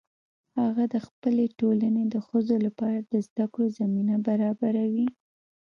هغه د خپلې ټولنې د ښځو لپاره د زده کړو زمینه برابروي